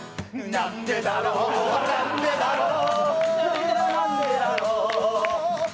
なんでだろう、なんでだろう、